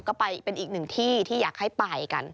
ก็ไปเป็นอีกหนึ่งที่ที่อยากให้ไปกัน